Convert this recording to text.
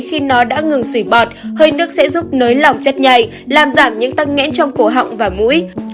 khi nó đã ngừng sỉ bọt hơi nước sẽ giúp nới lỏng chất nhạy làm giảm những tăng nghẽn trong cổ họng và mũi